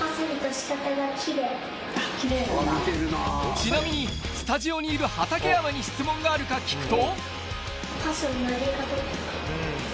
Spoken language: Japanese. ちなみにスタジオにいる畠山に質問があるか聞くと。